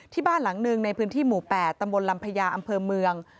ที่บ้านหลังหนึ่งในพื้นที่หมู่๘ตำบลลำพญาอำเภอเมือง